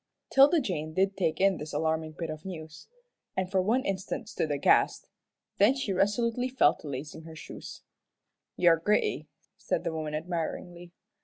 'Tilda Jane did take in this alarming bit of news, and for one instant stood aghast. Then she resolutely fell to lacing on her shoes. "You're gritty," said the woman, admiringly.